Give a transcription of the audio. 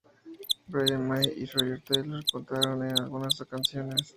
Brian May y Roger Taylor cantaron en algunas canciones.